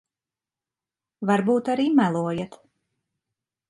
Varbūt arī melojat.